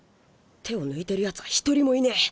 手を抜いてるやつは一人もいねえ。